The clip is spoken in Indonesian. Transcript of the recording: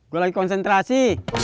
gue lagi konsentrasi